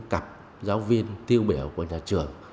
cặp giáo viên tiêu biểu của nhà trường